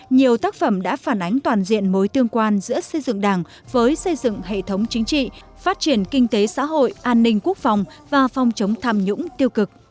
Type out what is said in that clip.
nhiều tác phẩm đã phản ánh toàn diện mối tương quan giữa xây dựng đảng với xây dựng hệ thống chính trị phát triển kinh tế xã hội an ninh quốc phòng và phòng chống tham nhũng tiêu cực